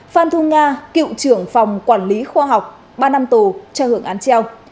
phan thu nga cựu trưởng phòng quản lý khoa học ba năm tù cho hưởng án treo